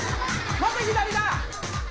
また左だ。